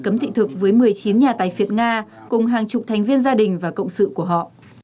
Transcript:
cấm thị thực với một mươi chín nhà tài phiệt nga cùng hàng chục thành viên gia đình và cộng sự của họ